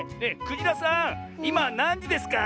クジラさんいまなんじですか？